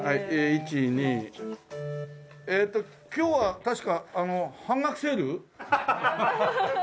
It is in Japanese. １２えと今日は確か半額セール？